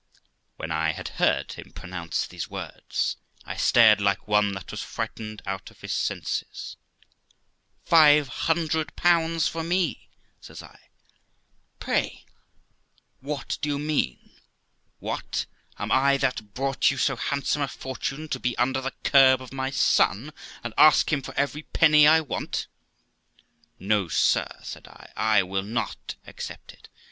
When I had heard him pronounce these words, I stared like one that was frightened out of his senses. 'Five hundred pounds for me!' says I j THE LIFE OF ROXANA 421 'pray, what <3<T you mean? What! Am I, that brought you so handsom* a fortune, to be under the curb of my son, and ask him for every penny I want? No, sir', said I, 'I will not accept it.